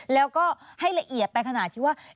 แล้วก็ให้ละเอียดไปขนาดที่ว่า